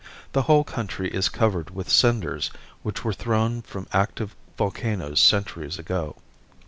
The whole country is covered with cinders which were thrown from active volcanoes centuries ago.